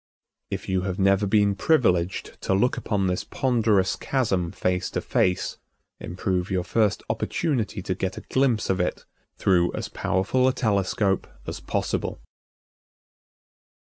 If you have never been privileged to look upon this ponderous chasm face to face, improve your first opportunity to get a glimpse of it through as powerful a telescope as possible.